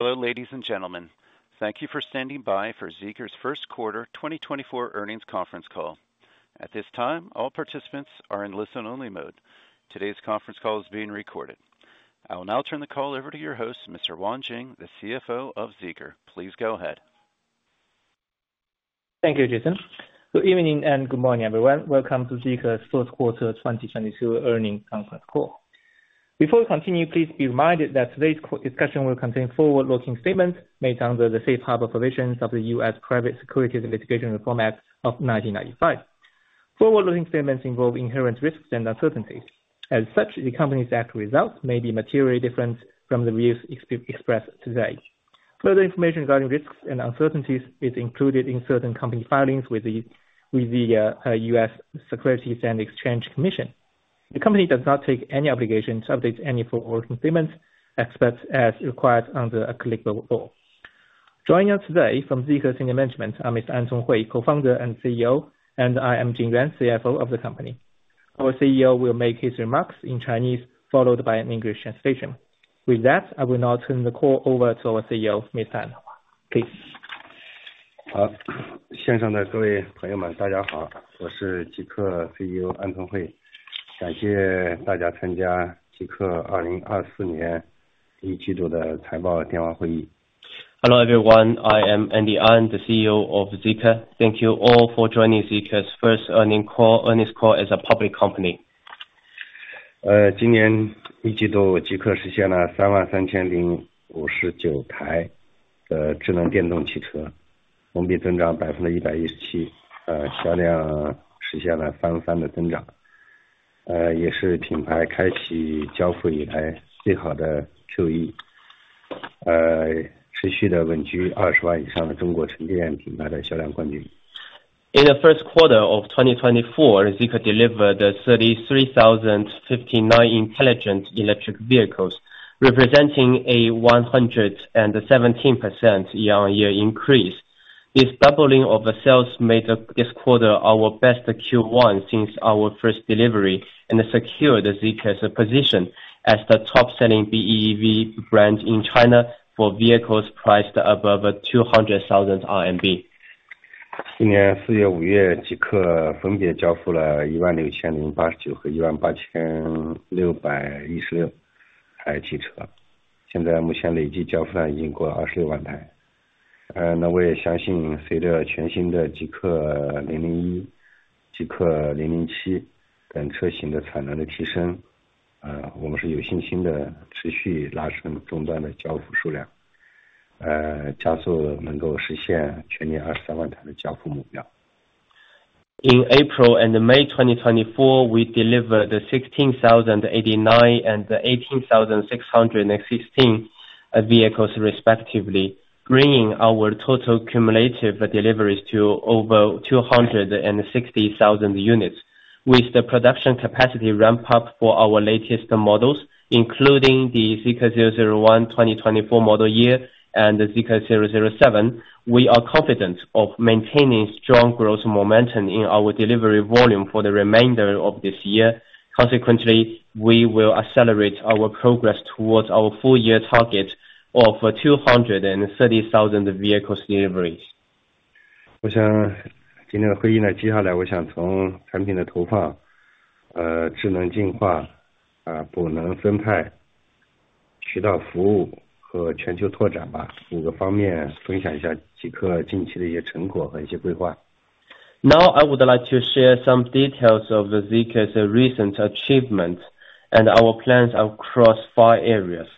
Hello, ladies and gentlemen. Thank you for standing by for ZEEKR's First Quarter 2024 Earnings Conference Call. At this time, all participants are in listen-only mode. Today's conference call is being recorded. I will now turn the call over to your host, Mr. Jing Yuan, the CFO of ZEEKR. Please go ahead. Thank you, Jason. Good evening and good morning, everyone. Welcome to ZEEKR's fourth quarter 2024 earnings conference call. Before we continue, please be reminded that today's discussion will contain forward-looking statements made under the Safe Harbor provisions of the U.S. Private Securities Litigation Reform Act of 1995. Forward-looking statements involve inherent risks and uncertainties. As such, the company's actual results may be materially different from the views expressed today. Further information regarding risks and uncertainties is included in certain company filings with the U.S. Securities and Exchange Commission. The company does not take any obligation to update any forward-looking statements except as required under an applicable rule. Joining us today from ZEEKR's senior management are Mr. An Conghui, co-founder and CEO, and I am Jing Yuan, CFO of the company. Our CEO will make his remarks in Chinese, followed by an English translation. With that, I will now turn the call over to our CEO, Mr. An. Please. 线上的各位朋友们，大家好。我是ZEEKR CEO安聪慧。感谢大家参加ZEEKR 2024年第一季度的财报电话会议。Hello everyone, I am Andy An, the CEO of ZEEKR. Thank you all for joining ZEEKR's first earnings call as a public company. 今年一季度ZEEKR实现了33,059台的智能电动汽车，同比增长117%，销量实现了翻三的增长，也是品牌开启交付以来最好的Q1，持续稳居200,000以上的中国纯电品牌的销量冠军。In the first quarter of 2024, ZEEKR delivered 33,059 intelligent electric vehicles, representing a 117% year-on-year increase. This doubling of sales made this quarter our best Q1 since our first delivery and secured ZEEKR's position as the top-selling BEV brand in China for vehicles priced above 200,000 RMB. 今年4月5月ZEEKR分别交付了16,089和18,616台汽车，现在目前累计交付量已经过了260,000台。我也相信随着全新的ZEEKR 001、ZEEKR 007等车型的产能的提升，我们是有信心的持续拉升终端的交付数量，加速能够实现全年230,000台的交付目标。In April and May 2024, we delivered 16,089 and 18,616 vehicles respectively, bringing our total cumulative deliveries to over 260,000 units. With the production capacity ramp-up for our latest models, including the ZEEKR 001 2024 model year and the ZEEKR 007, we are confident of maintaining strong growth momentum in our delivery volume for the remainder of this year. Consequently, we will accelerate our progress towards our full-year target of 230,000 vehicles deliveries. 我想今天的会议接下来我想从产品的投放、智能进化、补能分派、渠道服务和全球拓展五个方面分享一下ZEEKR近期的一些成果和一些规划。Now I would like to share some details of ZEEKR's recent achievements and our plans across five areas: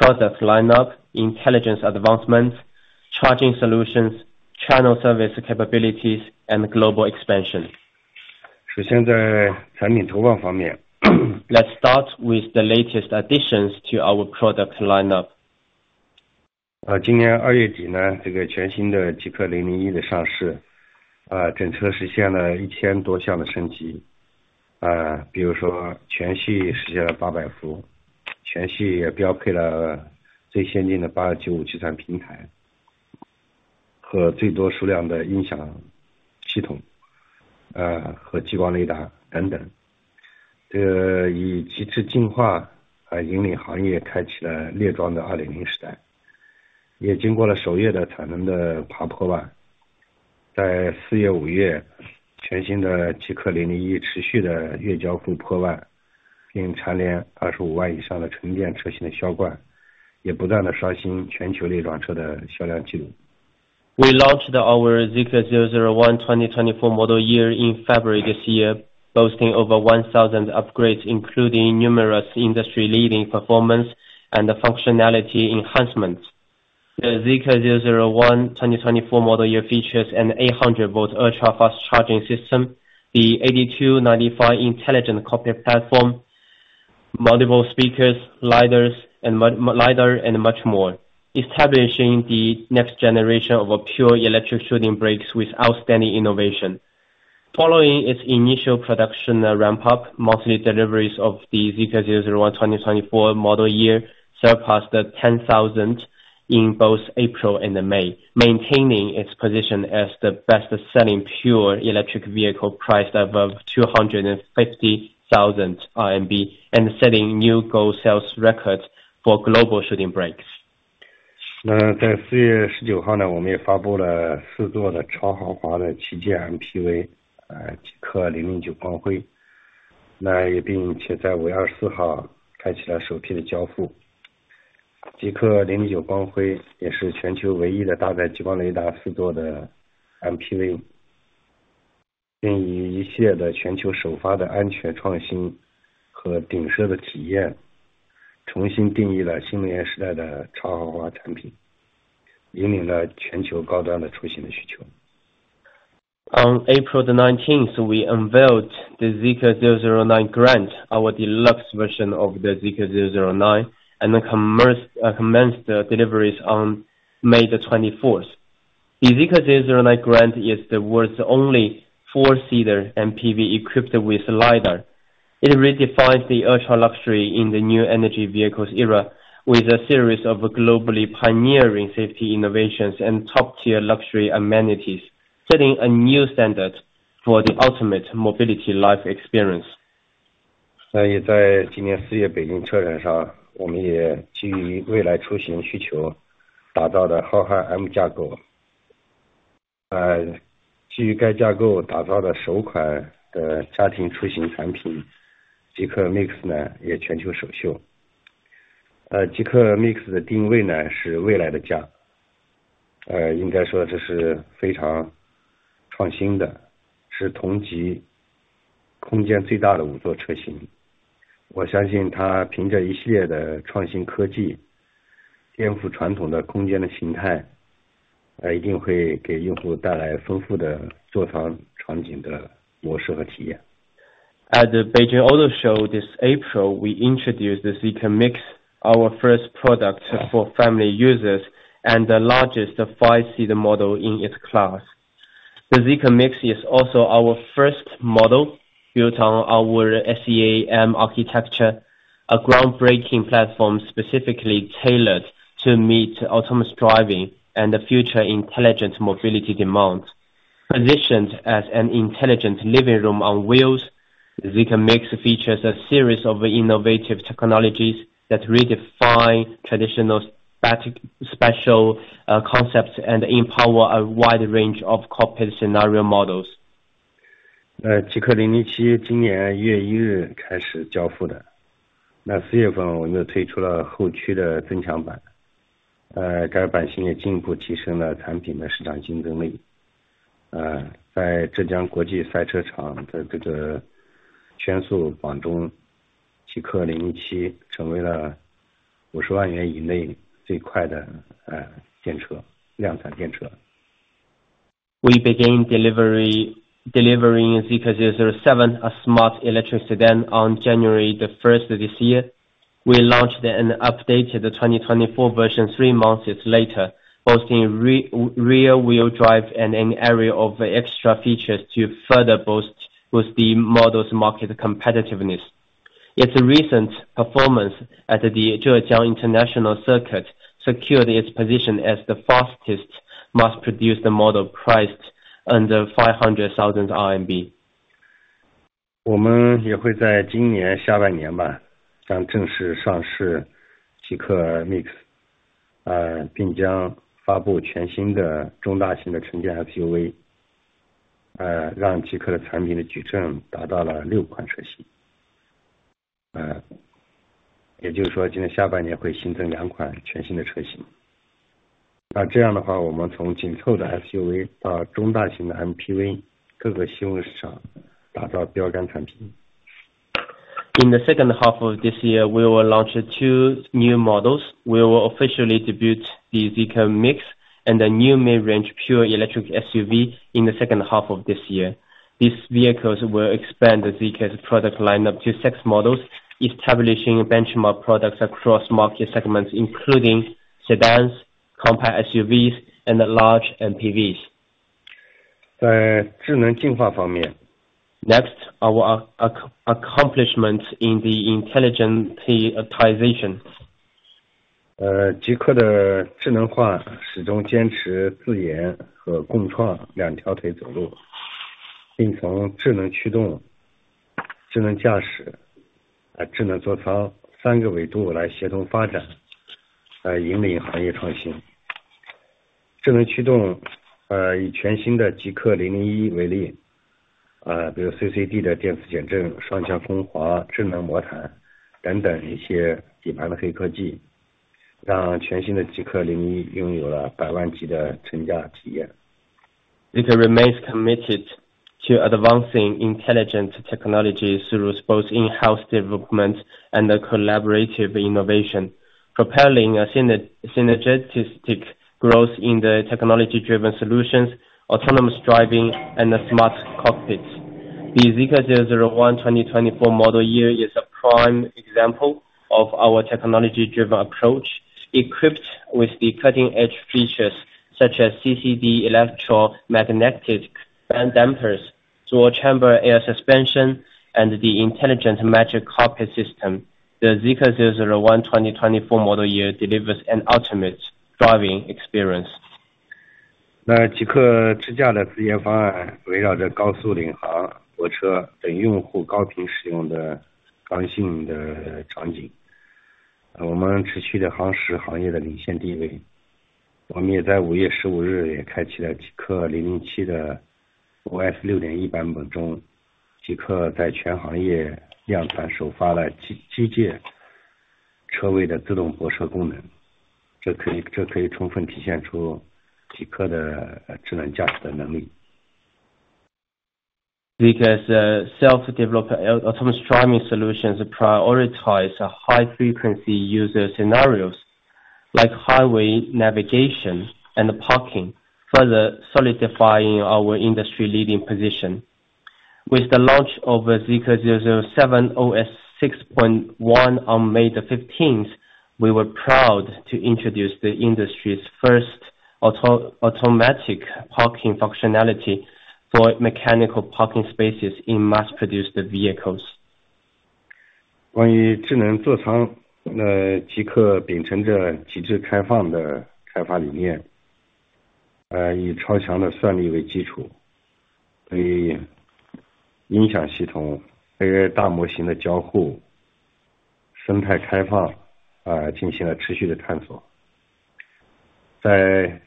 product lineup, intelligence advancement, charging solutions, channel service capabilities, and global expansion. 首先在产品投放方面。Let's start with the latest additions to our product lineup. 今年2月底全新的ZEEKR 001持续的月交付坡段，并蝉联25万以上的纯电车型的销冠，也不断地刷新全球列装车的销量纪录。We launched our ZEEKR 001 2024 model year in February this year, boasting over 1,000 upgrades, including numerous industry-leading performance and functionality enhancements. The ZEEKR 001 2024 model year features an 800-volt ultra-fast charging system, the 8295 intelligent cockpit platform, multiple speakers, and much more, establishing the next generation of pure electric shooting brakes with outstanding innovation. Following its initial production ramp-up, monthly deliveries of the ZEEKR 001 2024 model year surpassed 10,000 in both April and May, maintaining its position as the best-selling pure electric vehicle priced above 250,000 RMB and setting new global sales records for global shooting brakes. 在4月19号我们也发布了四座的超豪华的旗舰MPV ZEEKR 009光辉，并且在5月24号开启了首批的交付。ZEEKR 009光辉也是全球唯一的搭载激光雷达四座的MPV，并以一系列的全球首发的安全创新和顶奢的体验重新定义了新能源时代的超豪华产品，引领了全球高端的出行的需求。On April 19, we unveiled the ZEEKR 009 Grand, our deluxe version of the ZEEKR 009, and commenced deliveries on May 24. The ZEEKR 009 Grand is the world's only four-seater MPV equipped with LiDAR. It redefines the ultra-luxury in the new energy vehicles era with a series of globally pioneering safety innovations and top-tier luxury amenities, setting a new standard for the ultimate mobility life experience. 也在今年4月北京车展上，我们也基于未来出行需求打造的浩瀚M架构。基于该架构打造的首款的家庭出行产品ZEEKR At the Beijing Auto Show this April, we introduced the ZEEKR MIX, our first product for family users and the largest five-seater model in its class. The ZEEKR MIX is also our first model built on our SEA architecture, a groundbreaking platform specifically tailored to meet autonomous driving and the future intelligent mobility demands. Positioned as an intelligent living room on wheels, ZEEKR MIX features a series of innovative technologies that redefine traditional special concepts and empower a wide range of cockpit scenario models. ZEEKR 007今年1月1日开始交付的，4月份我们又推出了后驱的增强版，该版型也进一步提升了产品的市场竞争力。在浙江国际赛车场的全速加速ZEEKR 007成为了RMB 50万元以内最快的量产电车。We began delivering ZEEKR 007, a smart electric sedan, on January 1st this year. We launched an updated 2024 version three months later, boasting rear-wheel drive and an array of extra features to further boost the model's market competitiveness. Its recent performance at the Zhejiang International Circuit secured its position as the fastest mass-produced model priced under 500,000 RMB. 我们也会在今年下半年正式上市ZEEKR MIX，并将发布全新的中大型的纯电SUV，让ZEEKR的产品的矩阵达到了六款车型。也就是说今年下半年会新增两款全新的车型。这样的话，我们从紧凑的SUV到中大型的MPV，各个新闻市场打造标杆产品。In the second half of this year, we will launch two new models. We will officially debut the ZEEKR MIX and a new mid-range pure electric SUV in the second half of this year. These vehicles will expand ZEEKR's product lineup to six models, establishing benchmark products across market segments, including sedans, compact SUVs, and large MPVs. 在智能进化方面。Next, our accomplishment in the intelligentization. ZEEKR的智能化始终坚持自研和共创两条腿走路，并从智能驱动、智能驾驶、智能座舱三个维度来协同发展，引领行业创新。智能驱动以全新的ZEEKR 001为例，比如CCD的电子减震、双向风华、智能磨盘等等一些底盘的黑科技，让全新的ZEEKR 001拥有了百万级的乘驾体验。ZEEKR remains committed to advancing intelligent technology through both in-house development and collaborative innovation, propelling synergistic growth in the technology-driven solutions, autonomous driving, and smart cockpits. The ZEEKR 001 2024 model year is a prime example of our technology-driven approach, equipped with the cutting-edge features such as CDC Electromagnetic Dampers, dual-chamber air suspension, and the intelligent Magic Carpet system. The ZEEKR 001 2024 model year delivers an ultimate driving experience. ZEEKR's self-developed autonomous driving solutions prioritize high-frequency user scenarios like highway navigation and parking, further solidifying our industry-leading position. With the launch of ZEEKR 007 OS 6.1 on May 15, we were proud to introduce the industry's first automatic parking functionality for mechanical parking spaces in mass-produced vehicles. 关于智能座舱的ZEEKR秉承着极致开放的开发理念，以超强的算力为基础，对于音响系统、AI大模型的交互、生态开放进行了持续的探索。在ZEEKR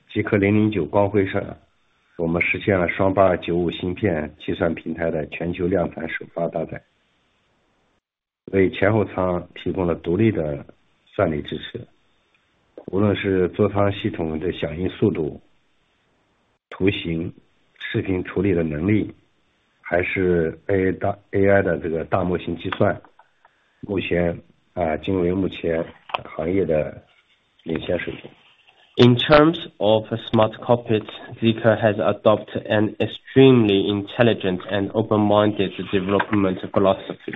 In terms of smart cockpit, ZEEKR has adopted an extremely intelligent and open-minded development philosophy.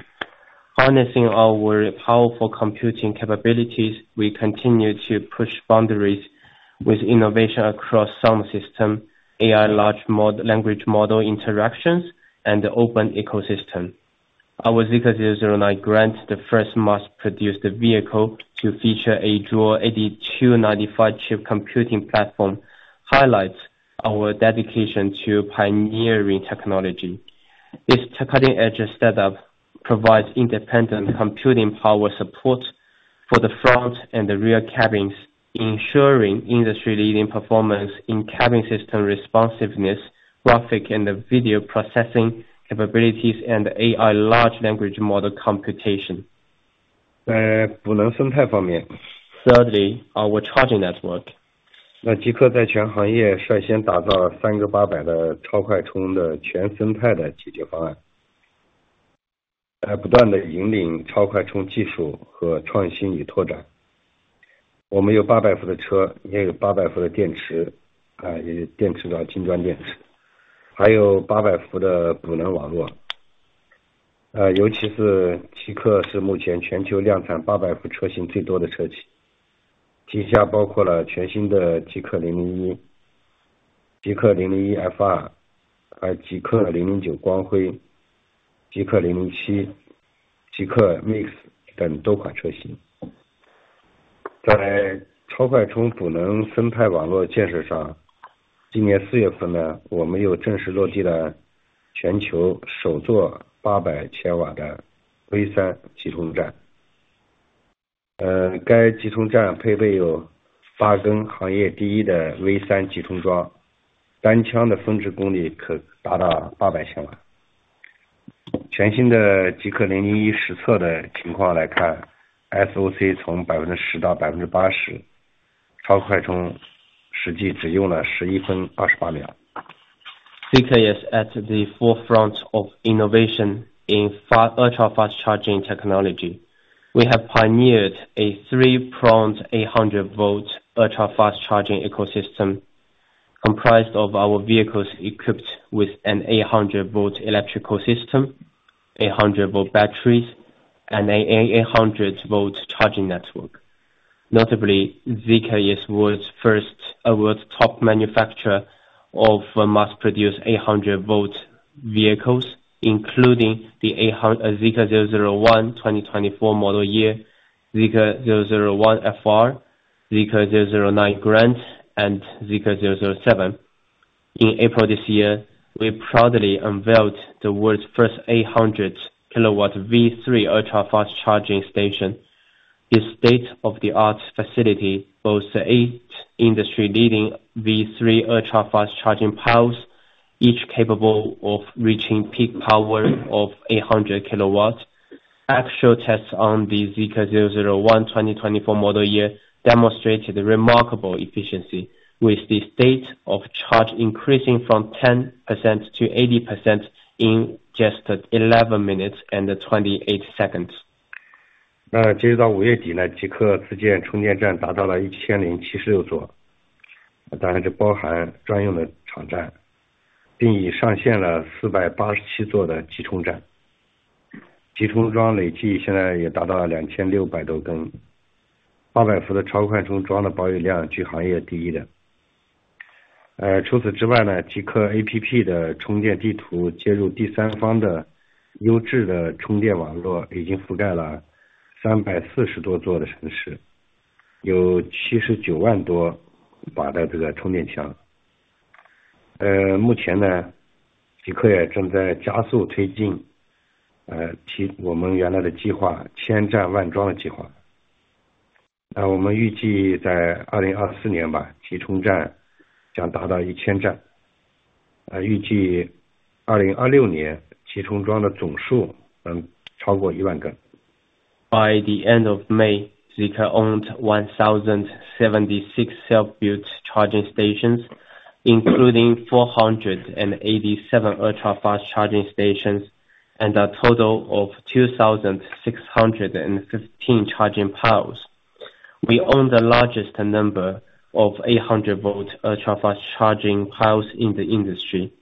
Harnessing our powerful computing capabilities, we continue to push boundaries with innovation across sound system, AI large language model interactions, and the open ecosystem. Our ZEEKR 009 Grand, the first mass-produced vehicle to feature a dual 8295 chip computing platform, highlights our dedication to pioneering technology. This cutting-edge setup provides independent computing power support for the front and the rear cabins, ensuring industry-leading performance in cabin system responsiveness, graphic and video processing capabilities, and AI large language model computation. 在补能生态方面。Thirdly, our charging network. ZEEKR在全行业率先打造了3个800的超快充的全生态的解决方案，不断地引领超快充技术和创新与拓展。我们有800伏的车，你也有800伏的电池，也有电池的金砖电池，还有800伏的补能网络。尤其是ZEEKR是目前全球量产800伏车型最多的车型，旗下包括了全新的ZEEKR 001、ZEEKR 001 FR、ZEEKR 009光辉、ZEEKR 007、ZEEKR MIX等多款车型。在超快充补能生态网络建设上，今年4月份我们又正式落地了全球首座800千瓦的V3集充站。该集充站配备有8根行业第一的V3集充桩，单枪的峰值功率可达到800千瓦。全新的ZEEKR 001实测的情况来看，SOC从10%-80%，超快充实际只用了11分28秒。ZEEKR is at the forefront of innovation in ultra-fast charging technology. We have pioneered a three-pronged 800-volt ultra-fast charging ecosystem comprised of our vehicles equipped with an 800-volt electrical system, 800-volt batteries, and an 800-volt charging network. Notably, ZEEKR is world's top manufacturer of mass-produced 800-volt vehicles, including the ZEEKR 001 2024 model year, ZEEKR 001 FR, ZEEKR 009 Grand, and ZEEKR 007. In April this year, we proudly unveiled the world's first 800-kW V3 ultra-fast charging station. This state-of-the-art facility boasts eight industry-leading V3 ultra-fast charging piles, each capable of reaching peak power of 800 kW. Actual tests on the ZEEKR 001 2024 model year demonstrated remarkable efficiency, with the state of charge increasing from 10% to 80% in just 11 minutes and 28 seconds. By the end of May, ZEEKR owned 1,076 self-built charging stations, including 487 ultra-fast charging stations and a total of 2,615 charging piles. We own the largest number of 800-volt ultra-fast charging piles in the industry.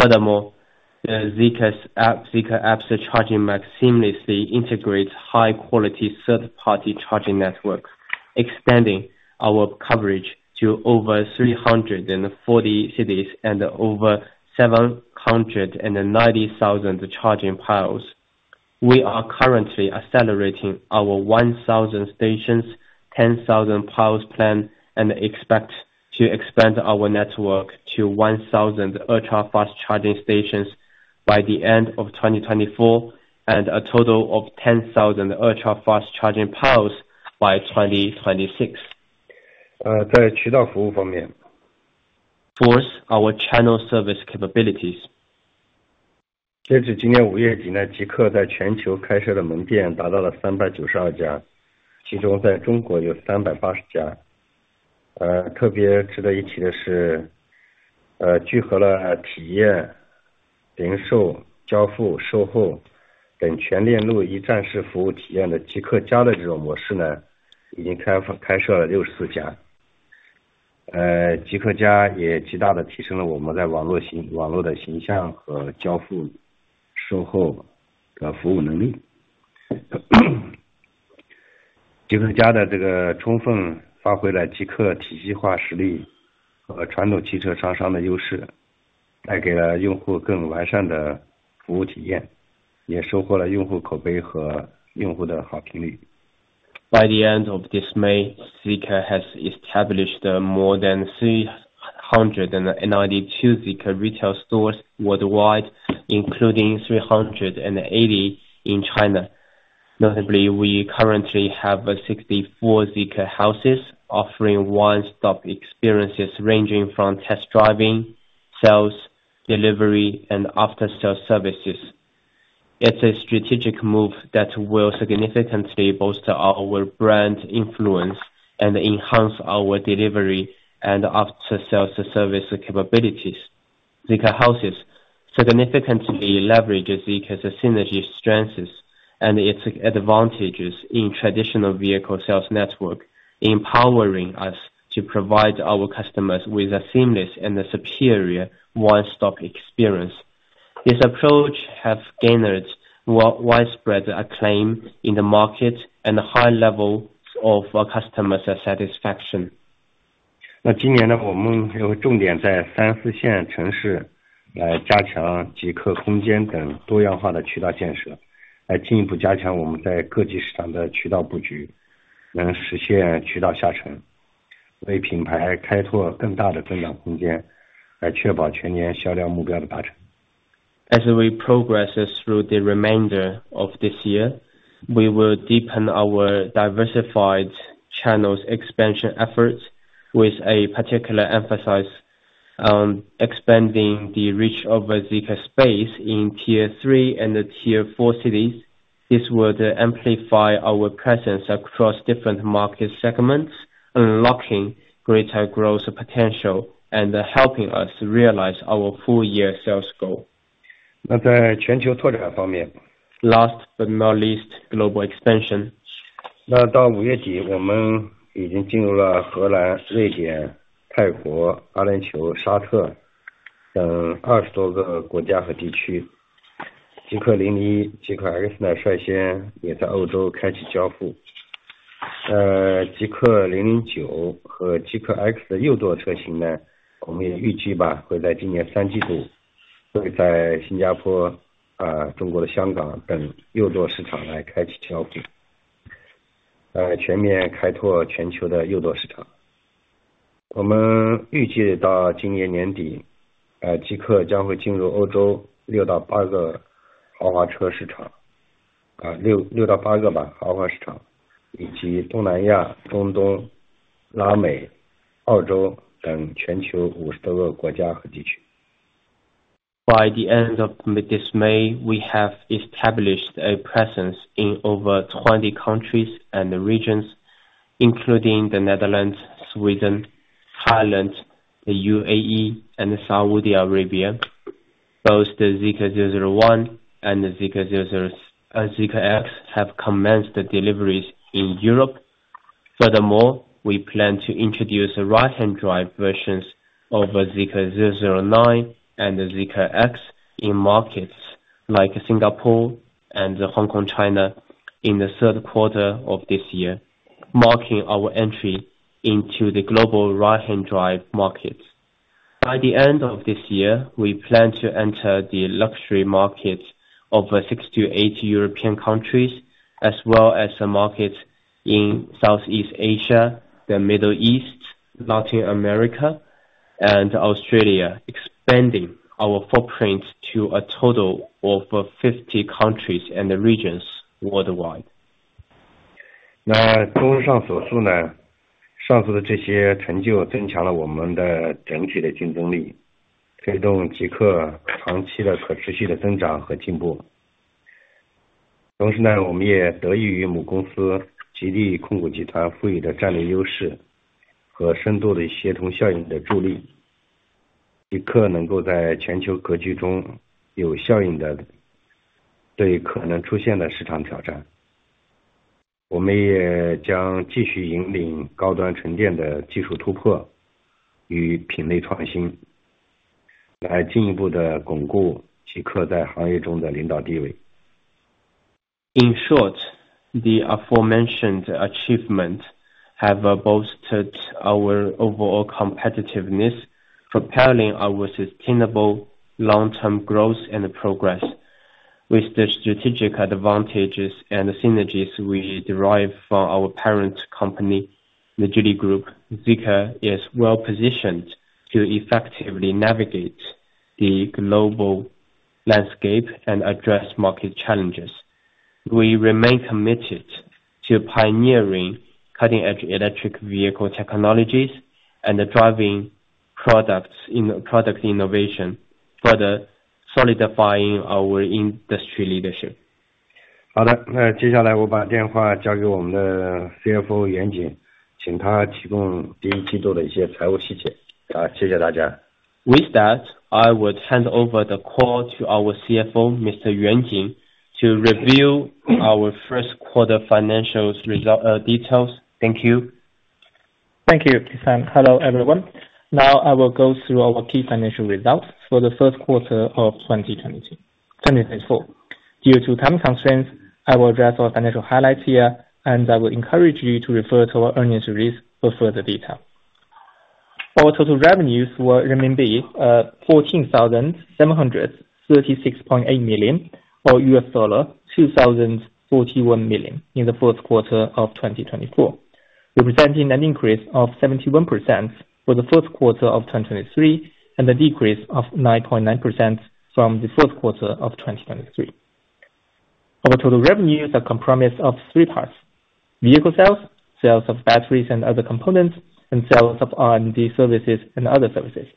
Furthermore, ZEEKR's app's charging maximally integrates high-quality third-party charging networks, extending our coverage to over 340 cities and over 790,000 charging piles. We are currently accelerating our 1,000 stations, 10,000 piles plan, and expect to expand our network to 1,000 ultra-fast charging stations by the end of 2024 and a total of 10,000 ultra-fast charging piles by 2026. 在渠道服务方面。Fourth, our channel service capabilities. By the end of this May, ZEEKR has established more than 392 ZEEKR retail stores worldwide, including 380 in China. Notably, we currently have 64 ZEEKR Homes, offering one-stop experiences ranging from test driving, sales, delivery, and after-sales services. It's a strategic move that will significantly bolster our brand influence and enhance our delivery and after-sales service capabilities. ZEEKR Homes significantly leverage ZEEKR's synergy strengths and its advantages in traditional vehicle sales network, empowering us to provide our customers with a seamless and superior one-stop experience. This approach has gained widespread acclaim in the market and high levels of customer satisfaction. 今年我们又重点在三四线城市来加强集客空间等多样化的渠道建设，来进一步加强我们在各级市场的渠道布局，能实现渠道下沉，为品牌开拓更大的增长空间，来确保全年销量目标的达成。As we progress through the remainder of this year, we will deepen our diversified channels expansion efforts, with a particular emphasis on expanding the reach of ZEEKR space in Tier 3 and Tier 4 cities. This will amplify our presence across different market segments, unlocking greater growth potential and helping us realize our full-year sales goal. 在全球拓展方面。Last but not least, global expansion. 到5月底，我们已经进入了荷兰、瑞典、泰国、阿联酋、沙特等20+个国家和地区。ZEEKR 001、ZEEKR By the end of this May, we have established a presence in over 20 countries and regions, including the Netherlands, Sweden, Thailand, the UAE, and Saudi Arabia. Both the ZEEKR 001 and ZEEKR X have commenced deliveries in Europe. Furthermore, we plan to introduce right-hand drive versions of ZEEKR 009 and ZEEKR X in markets like Singapore and Hong Kong, China in the third quarter of this year, marking our entry into the global right-hand drive markets. By the end of this year, we plan to enter the luxury market of six to eight European countries, as well as markets in Southeast Asia, the Middle East, Latin America, and Australia, expanding our footprint to a total of 50 countries and regions worldwide. In short, the aforementioned achievements have bolstered our overall competitiveness, propelling our sustainable long-term growth and progress. With the strategic advantages and synergies we derive from our parent company, the Geely Group, ZEEKR is well-positioned to effectively navigate the global landscape and address market challenges. We remain committed to pioneering cutting-edge electric vehicle technologies and driving product innovation, further solidifying our industry leadership. 好的，接下来我把电话交给我们的CFO袁景，请他提供第一季度的一些财务细节。谢谢大家。With that, I would hand over the call to our CFO, Mr. Jing Yuan, to review our first quarter financial details. Thank you. Thank you, Jason. Hello, everyone. Now, I will go through our key financial results for the first quarter of 2024. Due to time constraints, I will address our financial highlights here, and I will encourage you to refer to our earnings release for further detail. Our total revenues were renminbi 14,736.8 million or $2,041 million in the first quarter of 2024, representing an increase of 71% for the fourth quarter of 2023 and a decrease of 9.9% from the fourth quarter of 2023. Our total revenues are comprised of three parts: vehicle sales, sales of batteries and other components, and sales of R&D services and other services.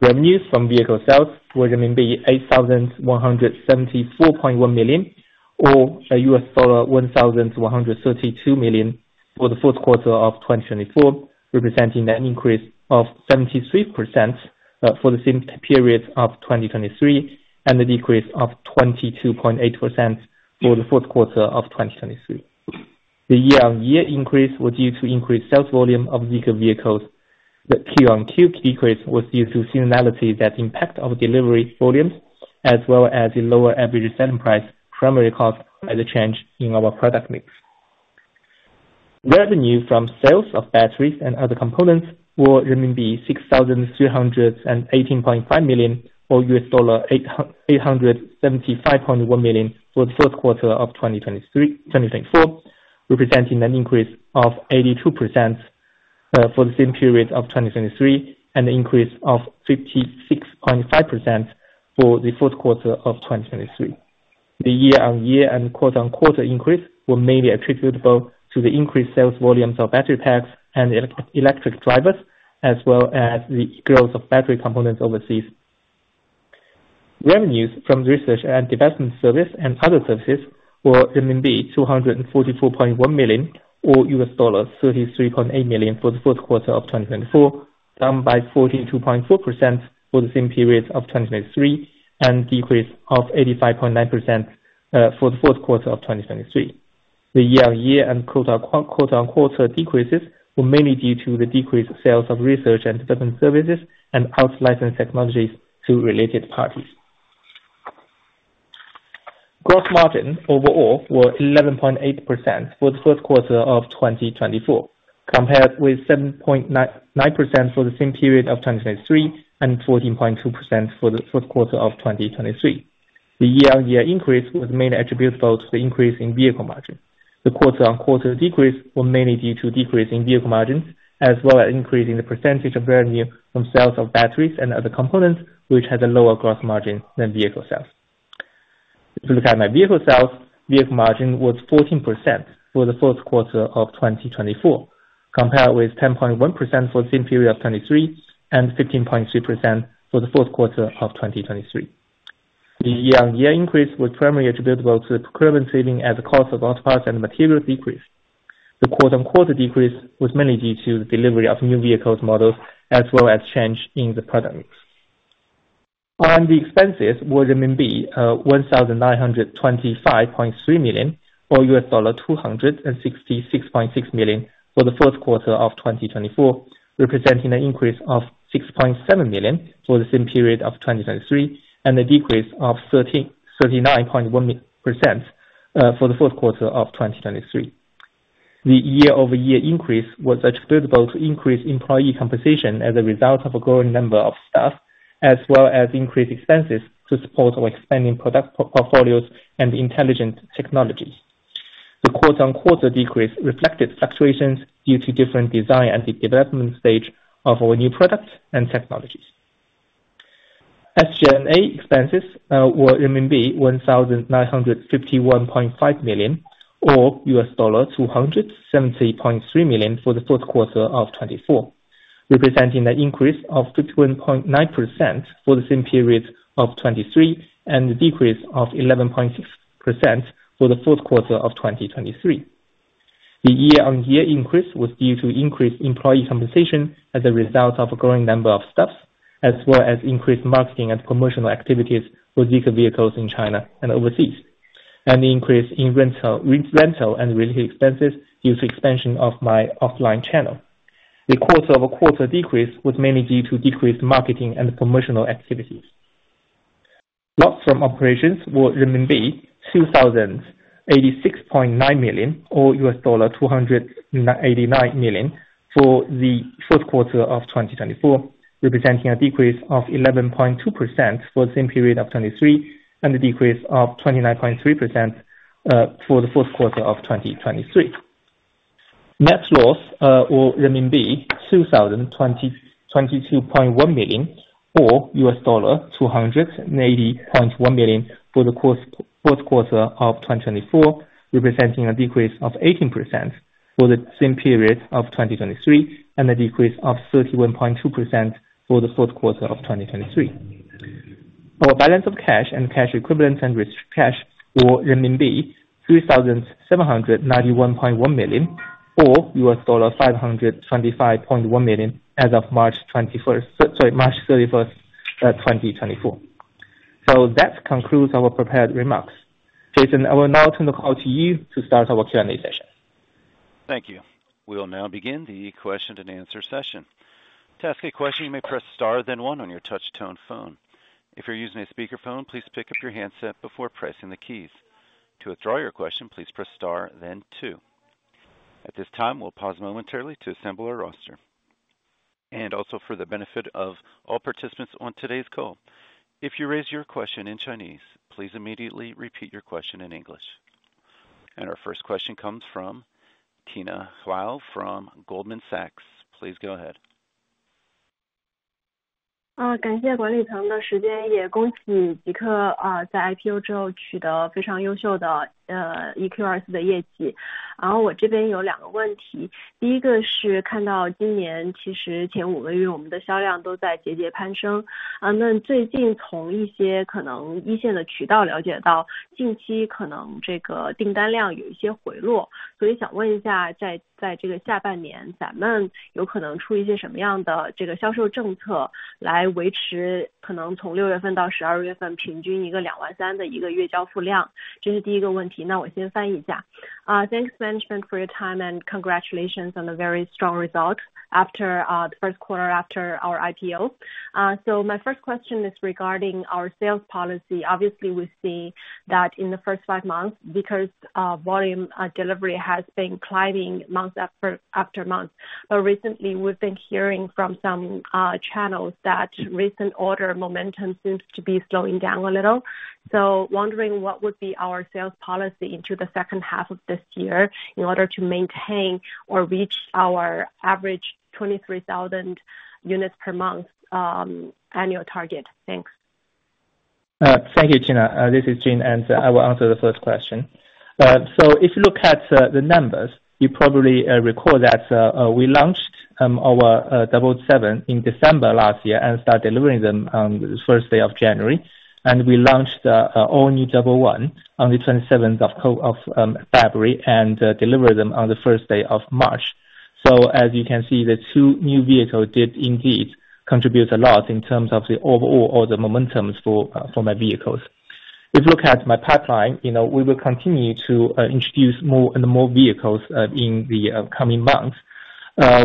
Revenues from vehicle sales were 8,174.1 million or $1,132 million for the first quarter of 2024, representing an increase of 73% for the same period of 2023 and a decrease of 22.8% for the fourth quarter of 2023. The year-on-year increase was due to increased sales volume of ZEEKR vehicles. The Q-on-Q decrease was due to seasonality that impacted our delivery volumes, as well as a lower average selling price primarily caused by the change in our product mix. Revenue from sales of batteries and other components were 6,318.5 million or $875.1 million for the first quarter of 2024, representing an increase of 82% for the same period of 2023 and an increase of 56.5% for the fourth quarter of 2023. The year-on-year and quarter-on-quarter increase were mainly attributable to the increased sales volumes of battery packs and electric drives, as well as the growth of battery components overseas. Revenues from research and development service and other services were renminbi 244.1 million or $33.8 million for the first quarter of 2024, down by 42.4% for the same period of 2023 and a decrease of 85.9% for the fourth quarter of 2023. The year-on-year and quarter-on-quarter decreases were mainly due to the decreased sales of research and development services and outsourcing technologies to related parties. Gross margin overall was 11.8% for the first quarter of 2024, compared with 7.9% for the same period of 2023 and 14.2% for the fourth quarter of 2023. The year-on-year increase was mainly attributable to the increase in vehicle margin. The quarter-on-quarter decrease was mainly due to a decrease in vehicle margins, as well as an increase in the percentage of revenue from sales of batteries and other components, which had a lower gross margin than vehicle sales. If you look at my vehicle sales, vehicle margin was 14% for the first quarter of 2024, compared with 10.1% for the same period of 2023 and 15.3% for the fourth quarter of 2023. The year-over-year increase was primarily attributable to the procurement savings as the cost of autoparts and materials decreased. The quarter-over-quarter decrease was mainly due to the delivery of new vehicles models, as well as change in the product mix. R&D expenses were RMB 1,925.3 million or $266.6 million for the first quarter of 2024, representing an increase of 6.7 million for the same period of 2023 and a decrease of 39.1% for the fourth quarter of 2023. The year-over-year increase was attributable to increased employee compensation as a result of a growing number of staff, as well as increased expenses to support our expanding product portfolios and intelligent technologies. The quarter-on-quarter decrease reflected fluctuations due to different design and development stages of our new products and technologies. SG&A expenses were RMB 1,951.5 million or $270.3 million for the first quarter of 2024, representing an increase of 51.9% for the same period of 2023 and a decrease of 11.6% for the fourth quarter of 2023. The year-on-year increase was due to increased employee compensation as a result of a growing number of staff, as well as increased marketing and promotional activities for ZEEKR vehicles in China and overseas, and an increase in rental and related expenses due to the expansion of our offline channel. The quarter-over-quarter decrease was mainly due to decreased marketing and promotional activities. Loss from operations were 2,086.9 million or $289 million for the first quarter of 2024, representing a decrease of 11.2% for the same period of 2023 and a decrease of 29.3% for the fourth quarter of 2023. Net loss was renminbi 2,022.1 million or $280.1 million for the first quarter of 2024, representing a decrease of 18% for the same period of 2023 and a decrease of 31.2% for the fourth quarter of 2023. Our balance of cash and cash equivalents and restricted cash were renminbi 3,791.1 million or $525.1 million as of March 31, 2024. So that concludes our prepared remarks. Jason, I will now turn the call to you to start our Q&A session. Thank you. We will now begin the question-and-answer session. To ask a question, you may press star, then one on your touch-tone phone. If you're using a speakerphone, please pick up your handset before pressing the keys. To withdraw your question, please press star, then two. At this time, we'll pause momentarily to assemble our roster. Also for the benefit of all participants on today's call, if you raise your question in Chinese, please immediately repeat your question in English. Our first question comes from Tina Hou from Goldman Sachs. Please go ahead. Thanks, Management, for your time and congratulations on the very strong result after the first quarter after our IPO. So my first question is regarding our sales policy. Obviously, we've seen that in the first five months because volume delivery has been climbing month after month. But recently, we've been hearing from some channels that recent order momentum seems to be slowing down a little. So wondering what would be our sales policy into the second half of this year in order to maintain or reach our average 23,000 units per month annual target? Thanks. Thank you, China. This is Jing, and I will answer the first question. So if you look at the numbers, you probably recall that we launched our Double Seven in December last year and started delivering them on the first day of January. And we launched our all-new Double One on the 27th of February and delivered them on the first day of March. So as you can see, the two new vehicles did indeed contribute a lot in terms of the overall order momentum for my vehicles. If you look at my pipeline, we will continue to introduce more and more vehicles in the coming months.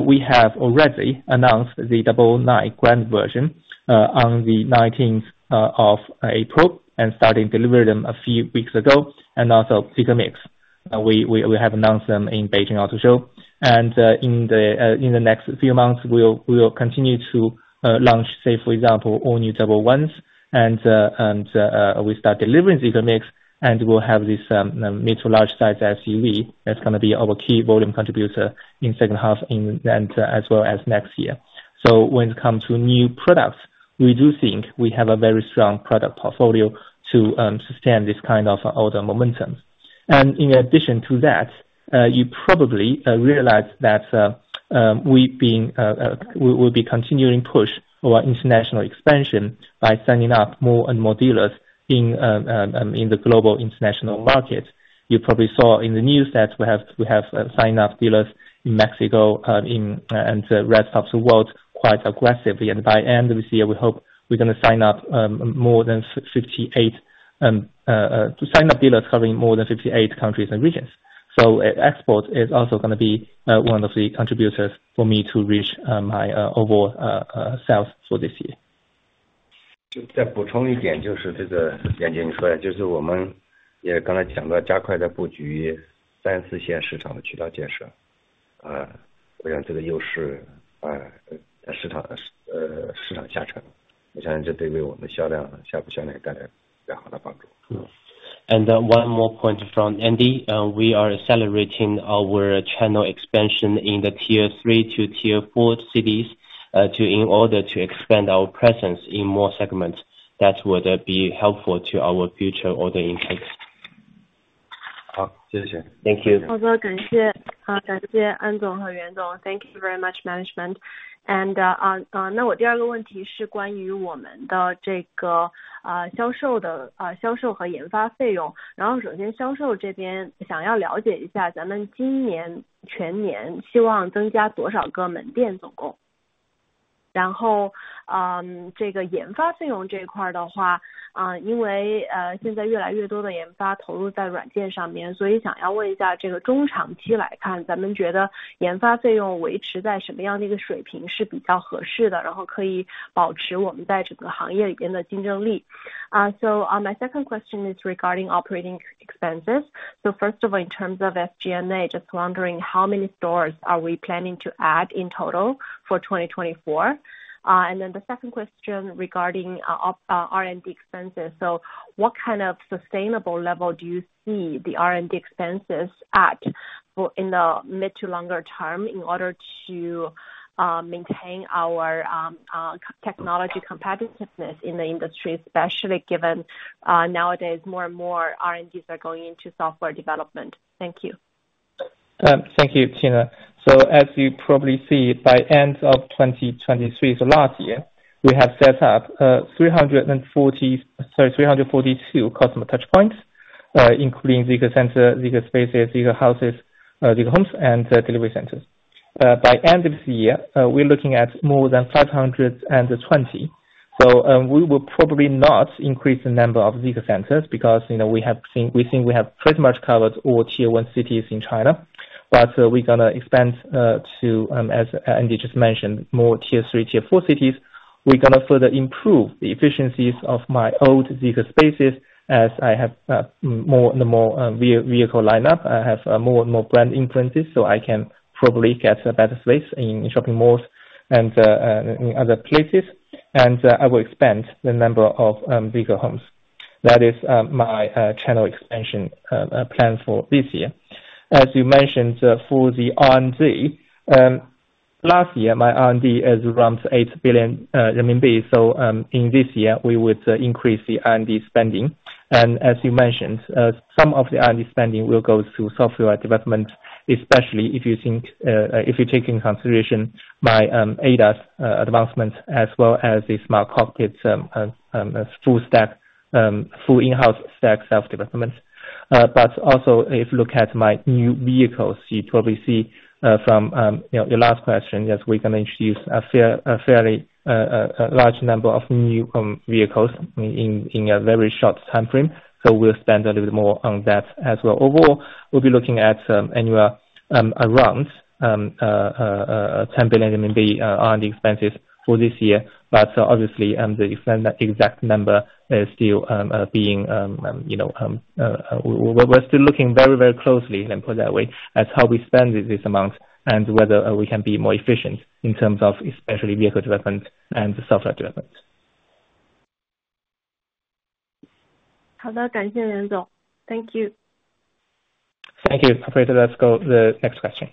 We have already announced the Double Nine Grand version on the 19th of April and started delivering them a few weeks ago. And also ZEEKR MIX, we have announced them in Beijing Auto Show. In the next few months, we will continue to launch, say, for example, all-new ZEEKR 001. We start delivering ZEEKR MIX, and we'll have this mid- to large-sized SUV that's going to be our key volume contributor in the second half and as well as next year. So when it comes to new products, we do think we have a very strong product portfolio to sustain this kind of order momentum. In addition to that, you probably realize that we will be continuing to push our international expansion by signing up more and more dealers in the Global International Market. You probably saw in the news that we have signed up dealers in Mexico and rest of the world quite aggressively. By the end of this year, we hope we're going to sign up more than 58 sign-up dealers covering more than 58 countries and regions. Export is also going to be one of the contributors for me to reach my overall sales for this year. 再补充一点，就是这个袁景你说的，就是我们也刚才讲到加快在布局三四线市场的渠道建设。我想这个又是市场下沉。我相信这对于我们的销量下部销量带来比较好的帮助。One more point from Andy. We are accelerating our channel expansion in the Tier 3 to Tier 4 cities in order to expand our presence in more segments that would be helpful to our future order intake. 好，谢谢。Thank you. 好的，感谢安总和袁总。Thank you very much, Management. 那我第二个问题是关于我们的这个销售和研发费用。然后首先销售这边想要了解一下咱们今年全年希望增加多少个门店总共。然后这个研发费用这一块的话，因为现在越来越多的研发投入在软件上面，所以想要问一下这个中长期来看，咱们觉得研发费用维持在什么样的一个水平是比较合适的，然后可以保持我们在整个行业里面的竞争力。So my second question is regarding operating expenses. So first of all, in terms of SG&A, just wondering how many stores are we planning to add in total for 2024? And then the second question regarding R&D expenses. So what kind of sustainable level do you see the R&D expenses at in the mid to longer term in order to maintain our technology competitiveness in the industry, especially given nowadays more and more R&Ds are going into software development? Thank you. Thank you, Tina. So as you probably see, by the end of 2023, so last year, we have set up 342 customer touchpoints, including ZEEKR Center, ZEEKR Spaces, ZEEKR Houses, ZEEKR Homes, and delivery centers. By the end of the year, we're looking at more than 520. So we will probably not increase the number of ZEEKR Centers because we think we have pretty much covered all Tier 1 cities in China. But we're going to expand to, as Andy just mentioned, more Tier 3, Tier 4 cities. We're going to further improve the efficiencies of my old ZEEKR Spaces as I have more and more vehicle lineup. I have more and more brand influences, so I can probably get a better space in shopping malls and in other places. And I will expand the number of ZEEKR Homes. That is my channel expansion plan for this year. As you mentioned, for the R&D, last year my R&D is around 8 billion RMB. In this year, we would increase the R&D spending. As you mentioned, some of the R&D spending will go to software development, especially if you take into consideration my ADAS advancements as well as the Smart Cockpit full in-house stack self-development. Also, if you look at my new vehicles, you probably see from your last question that we're going to introduce a fairly large number of new vehicles in a very short time frame. We'll spend a little bit more on that as well. Overall, we'll be looking at anywhere around 10 billion RMB R&D expenses for this year. But obviously, the exact number, we're still looking very, very closely, let me put it that way, at how we spend this amount and whether we can be more efficient in terms of especially vehicle development and software development. 好的，感谢袁总。Thank you. Thank you. Operator, let's go to the next question.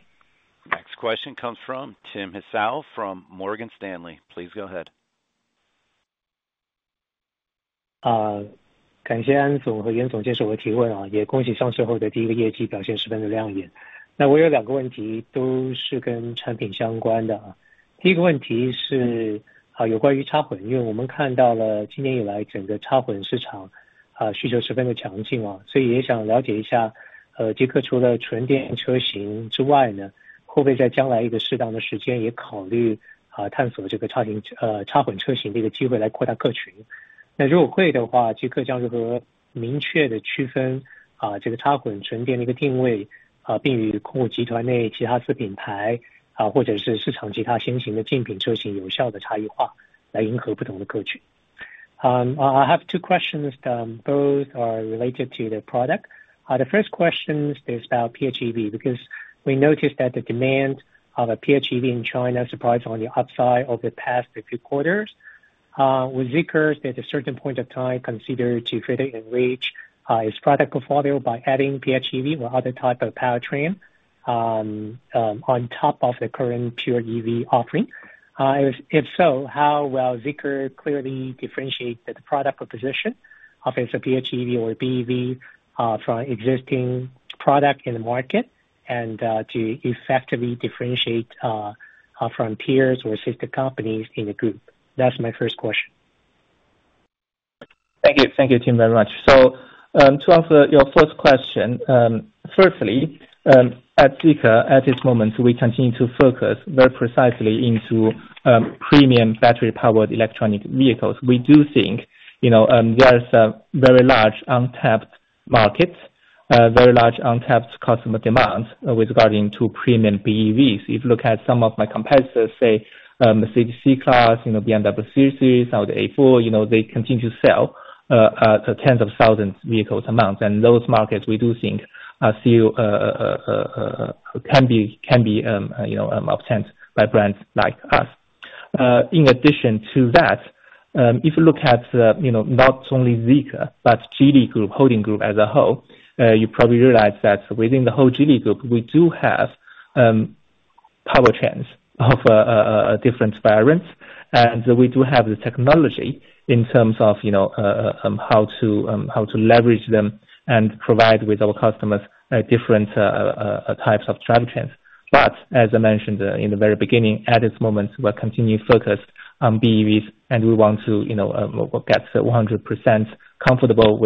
Next question comes from Tim Hsiao from Morgan Stanley. Please go ahead. 感谢安总和袁总接受我的提问，也恭喜上市后的第一个业绩表现十分的亮眼。那我有两个问题都是跟产品相关的。第一个问题是有关于插混，因为我们看到了今年以来整个插混市场需求十分的强劲。所以也想了解一下ZEEKR除了纯电车型之外，会不会在将来一个适当的时间也考虑探索这个插混车型的一个机会来扩大客群。那如果会的话，ZEEKR将如何明确的区分这个插混纯电的一个定位，并与控股集团内其他子品牌或者是市场其他新型的竞品车型有效的差异化来迎合不同的客群。I have two questions. Both are related to the product. The first question is about PHEV because we noticed that the demand of a PHEV in China surprised on the upside over the past few quarters. Was ZEEKR at a certain point of time considered to further enrich its product portfolio by adding PHEV or other type of powertrain on top of the current pure EV offering? If so, how will ZEEKR clearly differentiate the product proposition of its PHEV or BEV from existing product in the market and to effectively differentiate from peers or sister companies in the group? That's my first question. Thank you. Thank you, Tim, very much. So to answer your first question, firstly, at ZEEKR at this moment, we continue to focus very precisely into premium battery-powered electronic vehicles. We do think there's a very large untapped market, very large untapped customer demand with regarding to premium BEVs. If you look at some of my competitors, say, Mercedes C-Class, BMW 3 Series, Audi A4, they continue to sell tens of thousands of vehicles a month. And those markets, we do think, still can be obtained by brands like us. In addition to that, if you look at not only ZEEKR, but Geely Holding Group as a whole, you probably realize that within the whole Geely Group, we do have powertrains of different variants. And we do have the technology in terms of how to leverage them and provide with our customers different types of drivetrains. As I mentioned in the very beginning, at this moment, we'll continue to focus on BEVs, and we want to get 100% comfortable with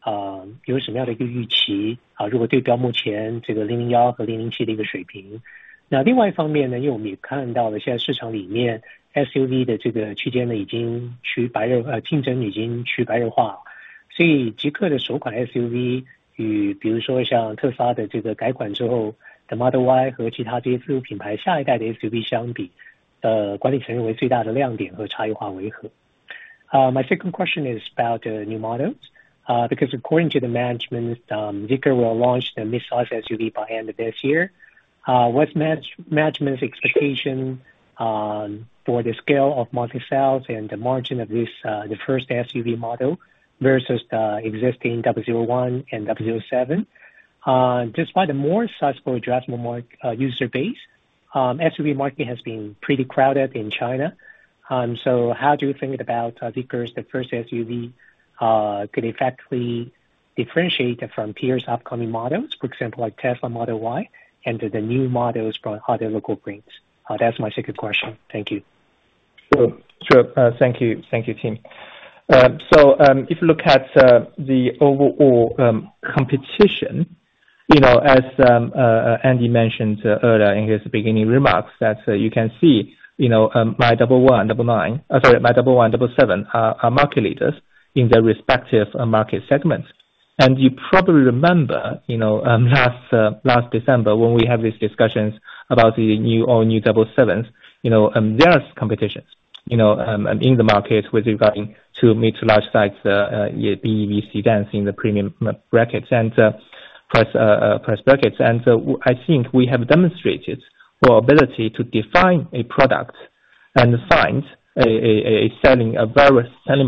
our position in the BEV sector, 100% comfortable in our leading positions before we think about other options. 好，感谢袁总。那我第二个问题是有关于今年年底的产品和新品。因为刚才安总也提到了，我们在年底会推出中型SUV，所以也想了解一下管理层对于首款的SUV的销量、月销量、利润有什么样的一个预期，如果对标目前001和007的一个水平。那另外一方面，因为我们也看到了现在市场里面SUV的区间已经白热化，竞争已经白热化。所以ZEEKR的首款SUV与比如说像特斯拉的改款之后的Model Y和其他这些自主品牌下一代的SUV相比，管理层认为最大的亮点和差异化为何？ My second question is about new models because according to the management, ZEEKR will launch the mid-size SUV by the end of this year. What's management's expectation for the scale of monthly sales and the margin of the first SUV model versus the existing 001 and 007? Despite a more sizable addressable user base, SUV market has been pretty crowded in China. So how do you think about ZEEKR's first SUV could effectively differentiate from peers' upcoming models, for example, like Tesla Model Y and the new models from other local brands? That's my second question. Thank you. Sure. Thank you, Tim. So if you look at the overall competition, as Andy mentioned earlier in his beginning remarks, that you can see my Double One and Double Nine, sorry, my Double One and Double Seven are market leaders in their respective market segments. And you probably remember last December when we had these discussions about the all-new Double Sevens. There's competition in the market with regard to mid- to large-sized BEV sedans in the premium brackets and price brackets. And I think we have demonstrated our ability to define a product and find a selling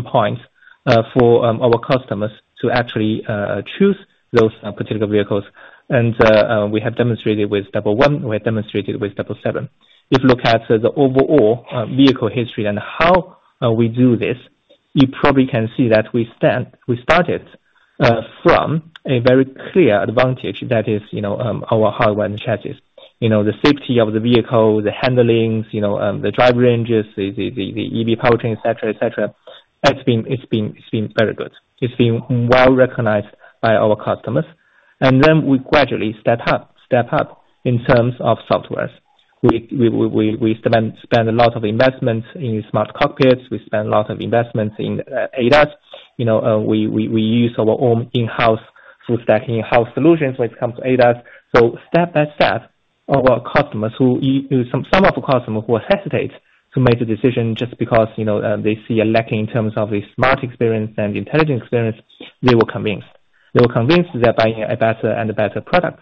point for our customers to actually choose those particular vehicles. And we have demonstrated with Double One, we have demonstrated with Double Seven. If you look at the overall vehicle history and how we do this, you probably can see that we started from a very clear advantage that is our hardware and chassis. The safety of the vehicle, the handling, the drive ranges, the EV powertrain, etc., etc. It's been very good. It's been well recognized by our customers. And then we gradually step up in terms of software. We spend a lot of investments in smart cockpits. We spend a lot of investments in ADAS. We use our own in-house full-stack in-house solutions when it comes to ADAS. So step by step, some of our customers who hesitate to make the decision just because they see a lack in terms of the smart experience and intelligent experience, they were convinced. They were convinced they're buying a better and better product.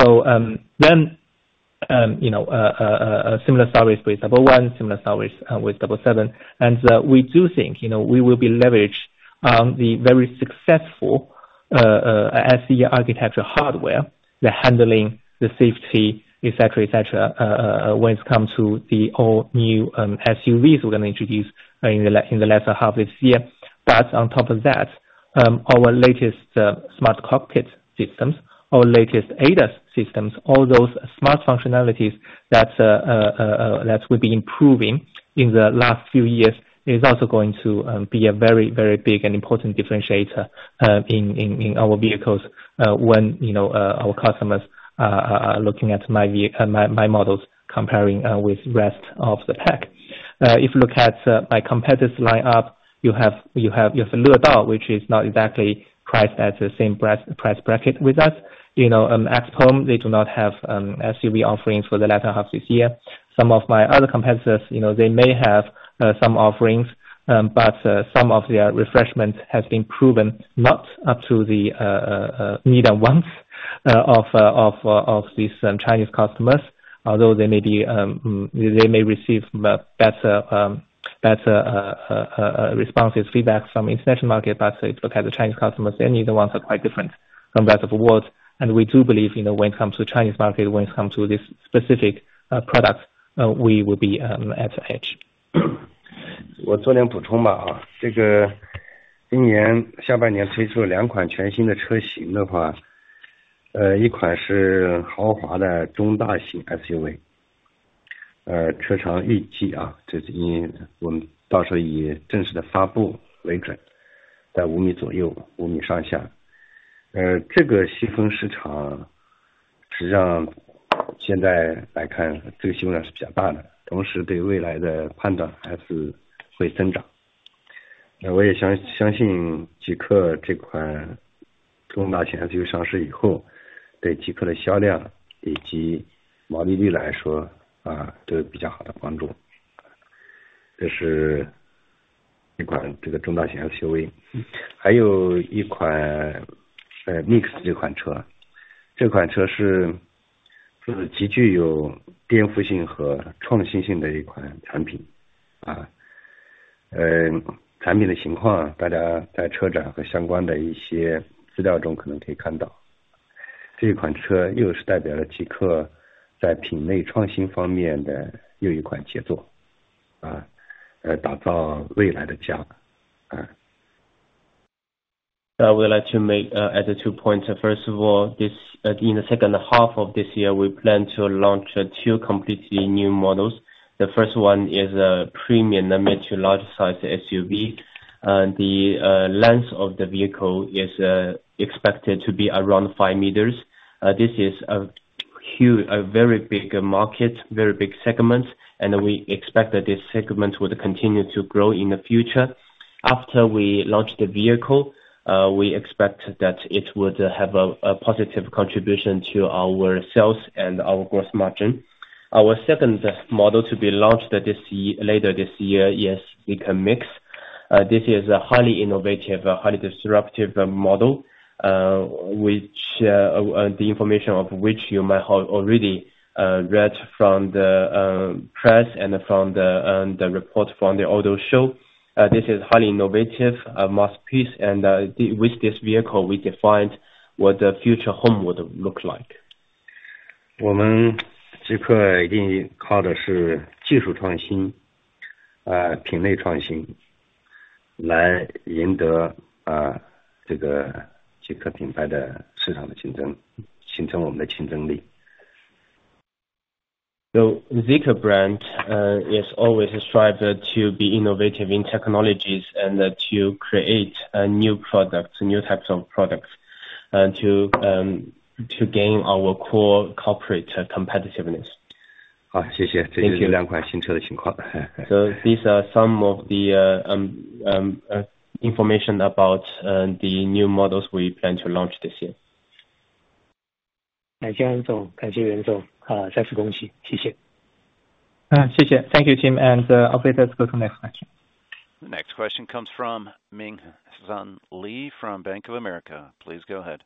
So then a similar story with ZEEKR 001, similar story with ZEEKR 007. And we do think we will be leveraged on the very successful SEA architecture hardware, the handling, the safety, etc., etc., when it comes to the all-new SUVs we're going to introduce in the latter half of this year. But on top of that, our latest smart cockpit systems, our latest ADAS systems, all those smart functionalities that we've been improving in the last few years is also going to be a very, very big and important differentiator in our vehicles when our customers are looking at my models comparing with the rest of the pack. If you look at my competitors' lineup, you have Li Auto, which is not exactly priced at the same price bracket with us. XPeng, they do not have SUV offerings for the latter half this year. Some of my other competitors, they may have some offerings, but some of their refinements have been proven not up to the needs and wants of these Chinese customers. Although they may receive better responses, feedback from the international market, but if you look at the Chinese customers, their needs and wants are quite different from the rest of the world. And we do believe when it comes to the Chinese market, when it comes to this specific product, we will be at the edge. I would like to make additional points. First of all, in the second half of this year, we plan to launch two completely new models. The first one is a premium mid- to large-sized SUV. The length of the vehicle is expected to be around five meters. This is a very big market, very big segment, and we expect that this segment will continue to grow in the future. After we launch the vehicle, we expect that it would have a positive contribution to our sales and our gross margin. Our second model to be launched later this year is ZEEKR MIX. This is a highly innovative, highly disruptive model, the information of which you might have already read from the press and from the report from the auto show. This is a highly innovative masterpiece, and with this vehicle, we defined what the future home would look like. 我们ZEEKR一定靠的是技术创新、品类创新来赢得ZEEKR品牌的市场的竞争，形成我们的竞争力。So ZEEKR brand is always strived to be innovative in technologies and to create new products, new types of products, to gain our core corporate competitiveness. 好，谢谢。这就是两款新车的情况。So these are some of the information about the new models we plan to launch this year. 感谢安总，感谢袁总，再次恭喜，谢谢。谢谢, Thank you, Tim, and let's go to the next question. Next question comes from Ming-Hsun Lee from Bank of America. Please go ahead.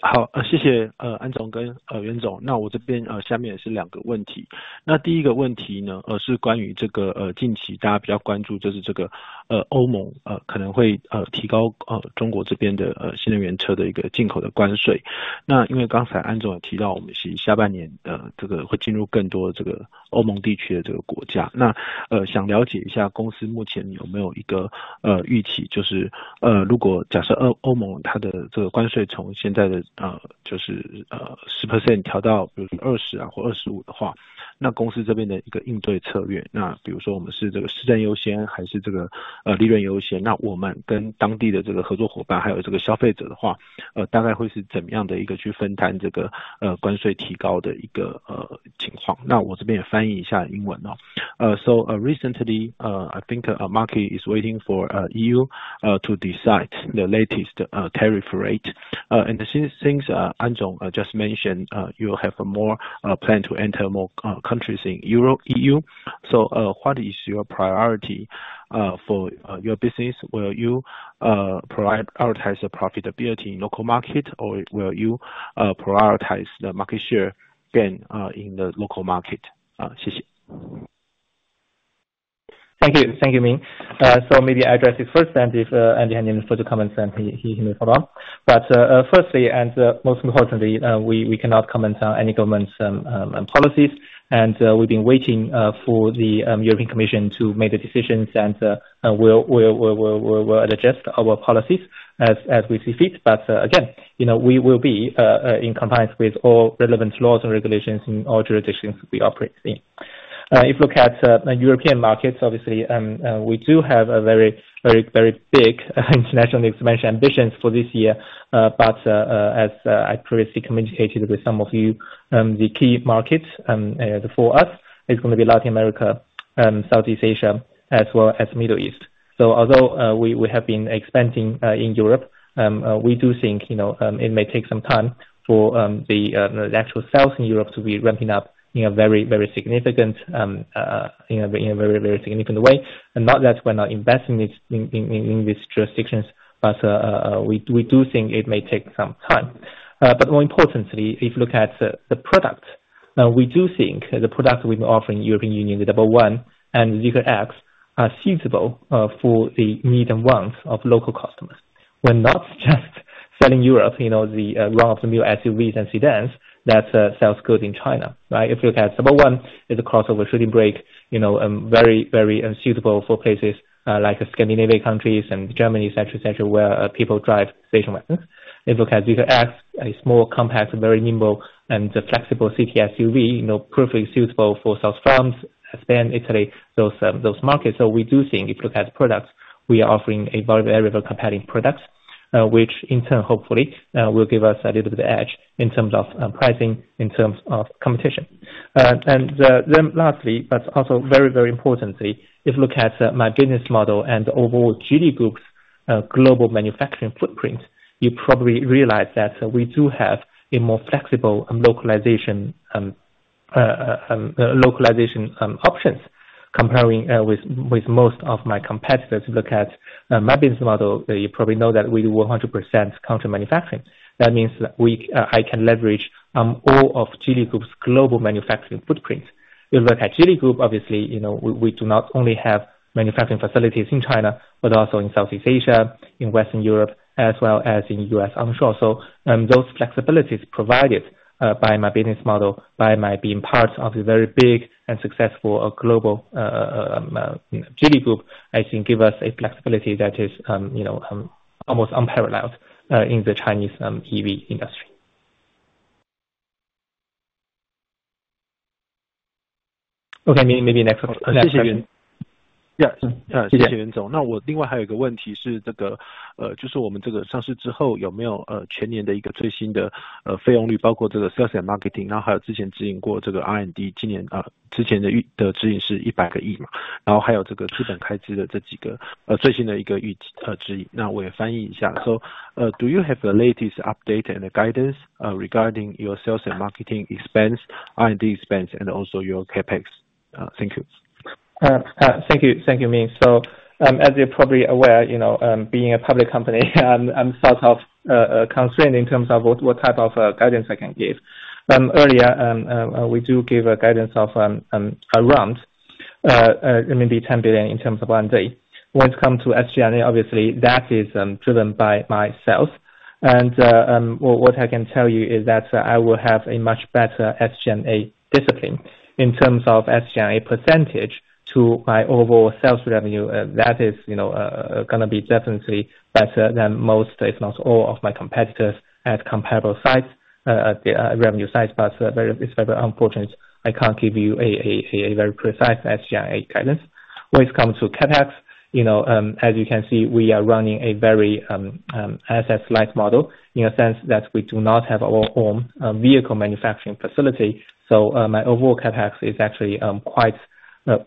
好，谢谢安总跟袁总。那我这边下面也是两个问题。那第一个问题是关于近期大家比较关注的就是欧盟可能会提高中国这边的新能源车的一个进口的关税。那因为刚才安总也提到我们其实下半年会进入更多欧盟地区的国家。那想了解一下公司目前有没有一个预期，就是如果假设欧盟它的关税从现在的10%调到比如说20%或25%的话，那公司这边的一个应对策略，那比如说我们是市占优先还是利润优先，那我们跟当地的合作伙伴还有消费者的话，大概会是怎么样的一个去分摊关税提高的一个情况。那我这边也翻译一下英文。So recently, I think a market is waiting for EU to decide the latest tariff rate. And since An Zong just mentioned you have more plan to enter more countries in EU, so what is your priority for your business? Will you prioritize profitability in local market, or will you prioritize the market share gain in the local market? Thank you. Thank you, Ming. Maybe I'll address it first, and if Andy has any further comments, then he may follow up. But firstly, and most importantly, we cannot comment on any government's policies, and we've been waiting for the European Commission to make the decisions, and we'll adjust our policies as we see fit. But again, we will be in compliance with all relevant laws and regulations in all jurisdictions we operate in. If you look at European markets, obviously, we do have a very big international expansion ambition for this year. But as I previously communicated with some of you, the key markets for us are going to be Latin America, Southeast Asia, as well as the Middle East. So although we have been expanding in Europe, we do think it may take some time for the actual sales in Europe to be ramping up in a very significant way. And not that we're not investing in these jurisdictions, but we do think it may take some time. But more importantly, if you look at the product, we do think the product we've been offering in the European Union, the ZEEKR 001 and ZEEKR X, are suitable for the needs and wants of local customers. We're not just selling Europe, the run-of-the-mill SUVs and sedans that sell good in China. If you look at ZEEKR 001, it's a crossover shooting brake, very suitable for places like Scandinavian countries and Germany, etc., etc., where people drive station wagons. If you look at ZEEKR X, a small, compact, very nimble, and flexible city SUV, perfectly suitable for South France, Spain, Italy, those markets. So we do think if you look at the products, we are offering a value-added comparing product, which in turn, hopefully, will give us a little bit of edge in terms of pricing, in terms of competition. And then lastly, but also very, very importantly, if you look at my business model and the overall Geely Group's global manufacturing footprint, you probably realize that we do have a more flexible localization options comparing with most of my competitors. If you look at my business model, you probably know that we do 100% counter-manufacturing. That means I can leverage all of Geely Group's global manufacturing footprint. If you look at Geely Group, obviously, we do not only have manufacturing facilities in China, but also in Southeast Asia, in Western Europe, as well as in the U.S., I'm sure. So those flexibilities provided by my business model, by my being part of the very big and successful global Geely Group, I think give us a flexibility that is almost unparalleled in the Chinese EV industry. Okay, maybe next question. 谢谢。那我另外还有一个问题是，就是我们这个上市之后有没有全年的一个最新的费用率，包括这个 sales and marketing，然后还有之前指引过这个 R&D，今年之前的指引是100个亿，然后还有这个资本开支的这几个最新的一个指引。那我也翻译一下。So do you have the latest update and the guidance regarding your sales and marketing expense, R&D expense, and also your CapEx? Thank you. Thank you, Ming. So as you're probably aware, being a public company, I'm sort of constrained in terms of what type of guidance I can give. Earlier, we do give a guidance of around maybe 10 billion in terms of R&D. When it comes to SG&A, obviously, that is driven by my sales. And what I can tell you is that I will have a much better SG&A discipline in terms of SG&A percentage to my overall sales revenue. That is going to be definitely better than most, if not all, of my competitors at comparable revenue size. But it's very unfortunate I can't give you a very precise SG&A guidance. When it comes to CapEx, as you can see, we are running a very asset-light model in the sense that we do not have our own vehicle manufacturing facility. So my overall CapEx is actually quite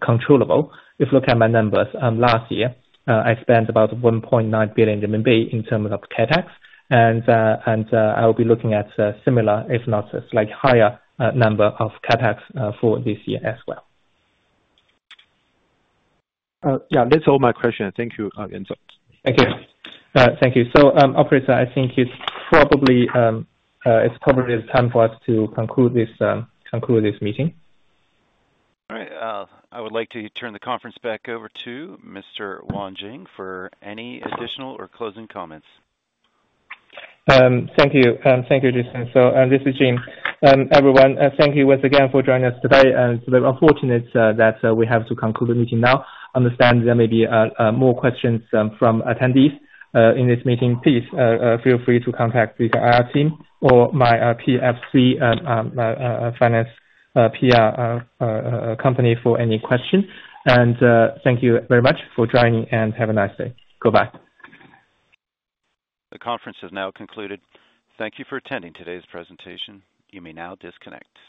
controllable. If you look at my numbers, last year, I spent about 1.9 billion RMB in terms of CapEx. I will be looking at a similar, if not a slightly higher number of CapEx for this year as well. Yeah, that's all my questions. Thank you, Andy. Thank you. Thank you. So operator, I think it's probably time for us to conclude this meeting. All right. I would like to turn the conference back over to Mr. Jing Yuan for any additional or closing comments. Thank you. Thank you, Jason. This is Jing. Everyone, thank you once again for joining us today. It's very unfortunate that we have to conclude the meeting now. Understand there may be more questions from attendees in this meeting. Please feel free to contact either our team or my TPG, my finance PR company for any questions. Thank you very much for joining and have a nice day. Goodbye. The conference has now concluded. Thank you for attending today's presentation. You may now disconnect.